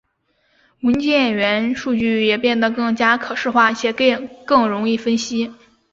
文件元数据也变得更加可视化且更容易编辑。